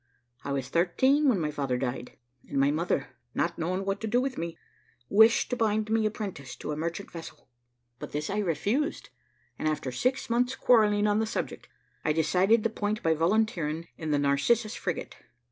I was thirteen when my father died, and my mother, not knowing what to do with me, wished to bind me apprentice to a merchant vessel; but this I refused, and, after six months' quarrelling on the subject, I decided the point by volunteering in the Narcissus frigate.